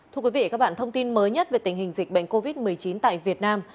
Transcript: thưa quý vị các bạn thông tin mới nhất về tình hình dịch bệnh covid một mươi chín tại việt nam